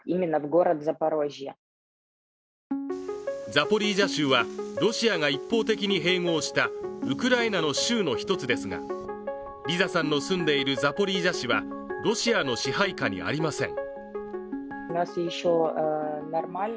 ザポリージャ州はロシアが一方的に併合したウクライナの州の一つですがリザさんの住んでいるザポリージャ市はロシアの支配下にありません。